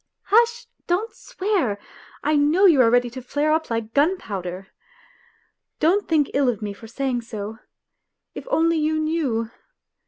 ..." Hush, don't swear, I know you are ready to flare up like gunpowder. Don't think ill of me for saying so. If only you knew.